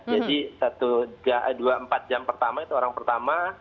jadi empat jam pertama itu orang pertama